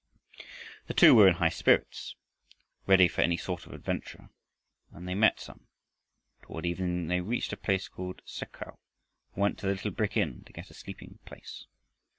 The two were in high spirits, ready for any sort of adventure and they met some. Toward evening they reached a place called Sek khau, and went to the little brick inn to get a sleeping place.